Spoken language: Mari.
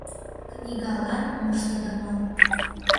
Книгалан моштыдымо...